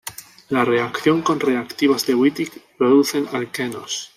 La reacción con reactivos de Wittig producen alquenos.